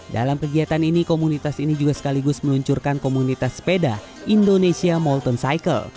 dalam kegiatan ini komunitas ini juga sekaligus meluncurkan komunitas sepeda indonesia molton cycle